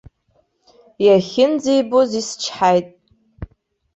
Иахьынӡеибоз исчҳаит.